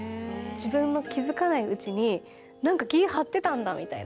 自分の気づかないうちになんか気、張ってたんだみたいな。